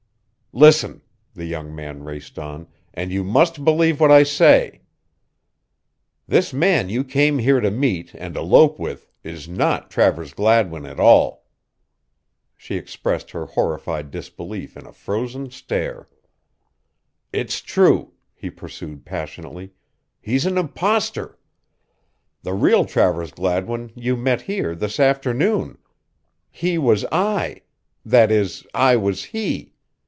"Listen," the young man raced on, "and you must believe what I say this man you came here to meet and elope with is not Travers Gladwin at all." She expressed her horrified disbelief in a frozen stare. "It's true," he pursued passionately. "He's an imposter! The real Travers Gladwin you met here this afternoon. He was I; that is, I was he.